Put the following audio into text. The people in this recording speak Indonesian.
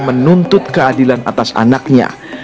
menuntut keadilan atas anaknya